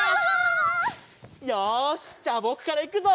よしじゃぼくからいくぞ！